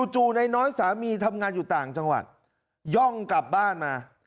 จู่นายน้อยสามีทำงานอยู่ต่างจังหวัดย่องกลับบ้านมา